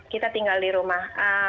kita tinggal di rumah